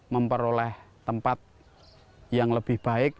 memperoleh tempat yang lebih baik